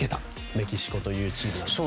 メキシコというチームです。